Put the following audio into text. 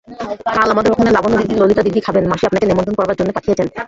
কাল আমাদের ওখানে লাবণ্যদিদি ললিতাদিদি খাবেন, মাসি আপনাকে নেমন্তন্ন করবার জন্যে পাঠিয়েছেন।